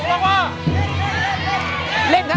ต้องล็อคประตูเขาบุหรอกให้